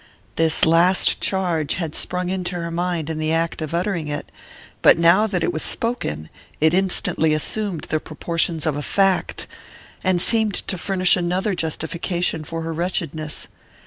This last charge had sprung into her mind in the act of uttering it, but now that it was spoken it instantly assumed the proportions of a fact, and seemed to furnish another justification for her wretchedness.